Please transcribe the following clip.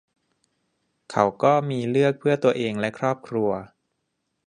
เขาก็มีเลือกเพื่อตัวเองและครอบครัว